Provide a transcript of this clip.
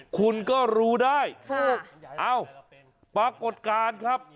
คุณก็รู้ได้ปรากฏการณ์ครับ